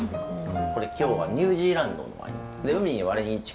これ今日はニュージーランドのワイン。